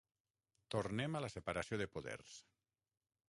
Tornem a la separació de poders.